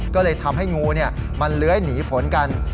ก็เลยทำให้งูมันเลื้อยหนีฝนกัน